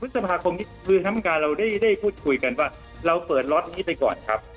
พฤษภาคมนี้คือคณะกรรมการเราได้พูดคุยกันว่าเราเปิดล็อตนี้ไปก่อนครับ